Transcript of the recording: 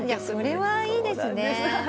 それはいいですね。